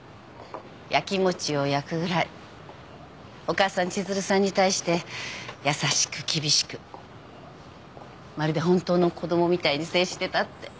焼きもちを焼くぐらいお母さん千鶴さんに対して優しく厳しくまるで本当の子供みたいに接してたって。